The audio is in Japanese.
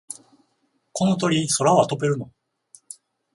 この鳥、空は飛べるの？